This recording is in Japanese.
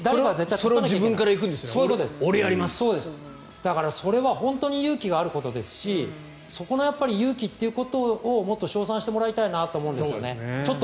だから、それは本当に勇気があることですしその勇気をもっと称賛してもらいたいなと思うんですね。